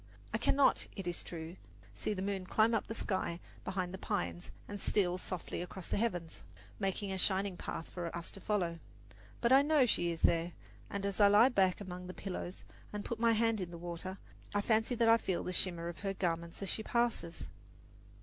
I cannot, it is true, see the moon climb up the sky behind the pines and steal softly across the heavens, making a shining path for us to follow; but I know she is there, and as I lie back among the pillows and put my hand in the water, I fancy that I feel the shimmer of her garments as she passes.